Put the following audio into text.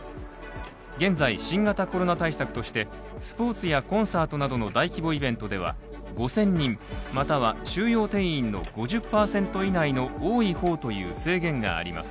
現在新型コロナ対策として、スポーツやコンサートなどの大規模イベントでは５０００人または収容定員の５０％以内の多い方という制限があります。